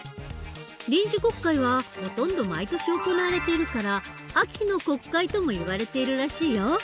臨時国会はほとんど毎年行われているから「秋の国会」ともいわれているらしいよ。